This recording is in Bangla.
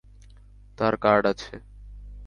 তার কার্ড আছে।